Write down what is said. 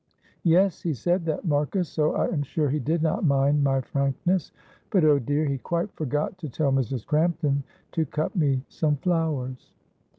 Yes, he said that, Marcus, so I am sure he did not mind my frankness. But oh, dear! he quite forgot to tell Mrs. Crampton to cut me some flowers."